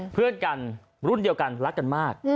เพื่อนกันรุ่นเดียวกันรักกันมาก